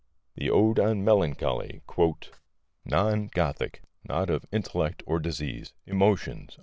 The Ode on Melancholy: "Non Gothic. Not of intellect or disease. Emotions."